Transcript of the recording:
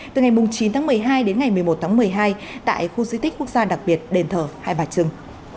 từ ngày chín tháng một mươi hai đến ngày một mươi một tháng một mươi hai tại khu di tích quốc gia đặc biệt đền thờ hai bà trưng